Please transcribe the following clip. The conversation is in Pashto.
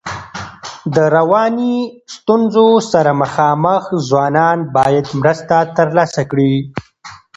د رواني ستونزو سره مخامخ ځوانان باید مرسته ترلاسه کړي.